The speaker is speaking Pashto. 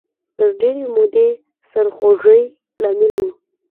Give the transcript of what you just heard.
تر ډېرې مودې سرخوږۍ لامل و